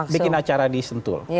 bikin acara di sentul